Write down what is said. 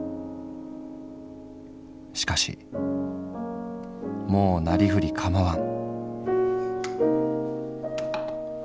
しかしもうなりふり構わん」。